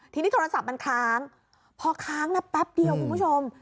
ทีนี้โทรศัพท์มันค้างพอค้างนะแป๊บเดียวคุณผู้ชม